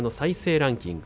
ランキング